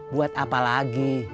buat apa lagi